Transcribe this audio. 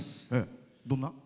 どんな？